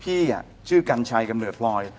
พี่ชื่อกัญชัยกำเนิดพลอย